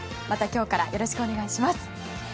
また今日からよろしくお願いします。